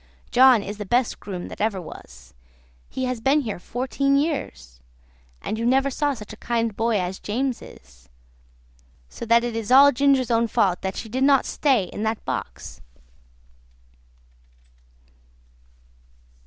John is the best groom that ever was; he has been here fourteen years; and you never saw such a kind boy as James is; so that it is all Ginger's own fault that she did not stay in that box."